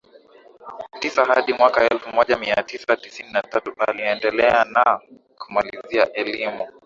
tisa hadi mwaka elfu moja mia tisa tisini na tatu aliendelea na kumalizia elimu